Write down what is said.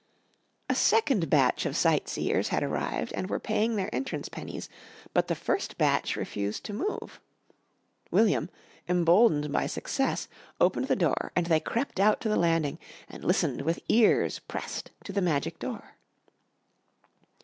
A second batch of sightseers had arrived and were paying their entrance pennies, but the first batch refused to move. William, emboldened by success, opened the door and they crept out to the landing and listened with ears pressed to the magic door.